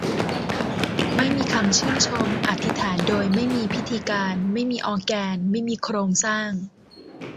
ไม่มีคำชื่นชม อธิษฐานโดยไม่มีพิธีการ ไม่มีออร์แกน ไม่มีโครงสร้าง